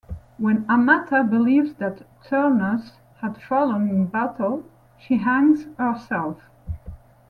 When Amata believes that Turnus had fallen in battle, she hangs herself.